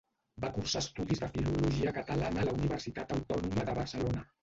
Va cursar estudis de Filologia Catalana a la Universitat Autònoma de Barcelona.